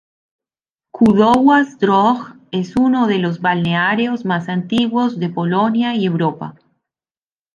Kudowa-Zdrój es uno de los balnearios más antiguos de Polonia y Europa.